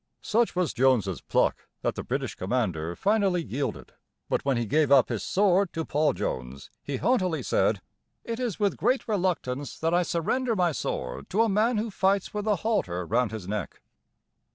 Such was Jones's pluck that the British commander finally yielded; but when he gave up his sword to Paul Jones, he haughtily said: "It is with great reluctance that I surrender my sword to a man who fights with a halter round his neck."